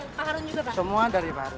semua dari pak harun